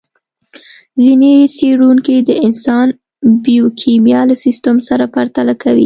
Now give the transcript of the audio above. ځينې څېړونکي د انسان بیوکیمیا له سیستم سره پرتله کوي.